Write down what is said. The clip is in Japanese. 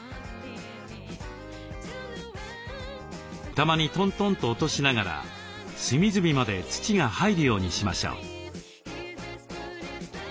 たまにトントンと落としながら隅々まで土が入るようにしましょう。